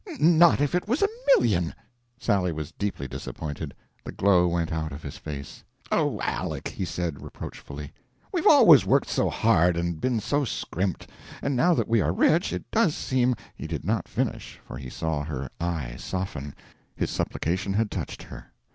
Not if it was a million!" Sally was deeply disappointed; the glow went out of his face. "Oh, Aleck!" he said, reproachfully. "We've always worked so hard and been so scrimped: and now that we are rich, it does seem " He did not finish, for he saw her eye soften; his supplication had touched her.